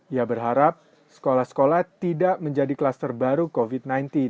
ia berharap sekolah sekolah tidak menjadi kluster baru covid sembilan belas